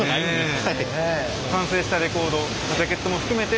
完成したレコードジャケットも含めて